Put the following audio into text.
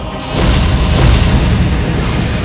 aku tidak akan menang